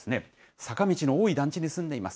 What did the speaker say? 坂道の多い団地に住んでいます。